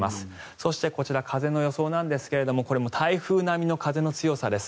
そして、こちら風の予想なんですがこれも台風並みの風の強さです。